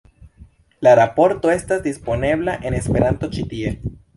La raporto estas disponebla en Esperanto ĉi tie.